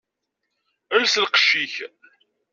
Els lqecc-ik!